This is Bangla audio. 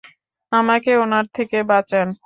আমাকে ওনার থেকে বাঁচান!